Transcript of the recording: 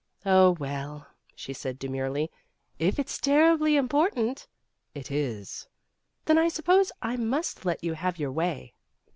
"Oh, well," she said demurely, "if it's ter ribly important " "It is." "Then I suppose I must let you have your way.